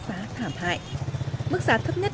giá thảm hại mức giá thấp nhất